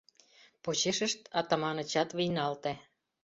Почешышт Атаманычат вийналте.